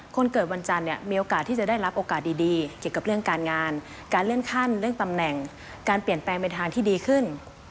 คนเกิดวันจันทร์เนี่ยมีโอกาสที่จะได้รับโอกาสดีเกี่ยวกับเรื่องการงานการเลื่อนขั้นเรื่องตำแหน่งการเปลี่ยนแปลงเป็นทางที่ดีขึ้น